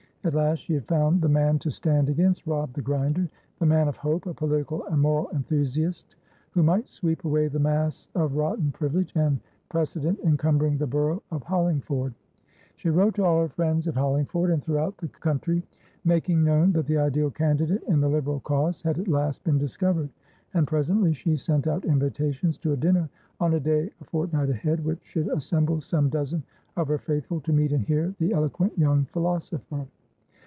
At last she had found the man to stand against Robb the Grinder, the man of hope, a political and moral enthusiast who might sweep away the mass of rotten privilege and precedent encumbering the borough of Hollingford. She wrote to all her friends, at Hollingford and throughout the country, making known that the ideal candidate in the Liberal cause had at last been discovered. And presently she sent out invitations to a dinner, on a day a fortnight ahead, which should assemble some dozen of her faithful, to meet and hear the eloquent young philosopher.